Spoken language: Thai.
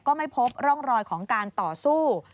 ก็ไม่พบร่องรอยของการต่อสู้